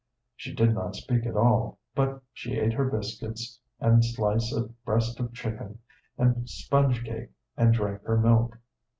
She did not speak at all, but she ate her biscuits, and slice of breast of chicken, and sponge cake, and drank her milk.